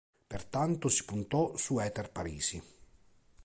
Pertanto si puntò su Heather Parisi.